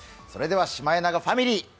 それではシマエナガファミリー